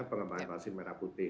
pengembangan vaksin merah putih